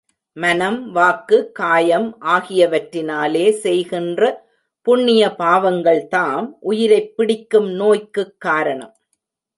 மனம், வாக்கு, காயம் ஆகியவற்றினாலே செய்கின்ற புண்ணிய பாவங்கள்தாம், உயிரைப் பிடிக்கும் நோய்க்குக் காரணம்.